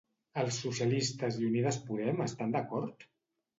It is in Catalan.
Els socialistes i Unides Podem estan d'acord?